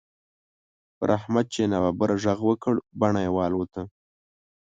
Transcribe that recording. پر احمد چې يې ناببره غږ وکړ؛ بڼه يې والوته.